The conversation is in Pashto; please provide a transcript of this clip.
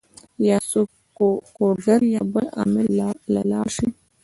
يا څوک کوډ ګر يا بل عامل له لاړ شي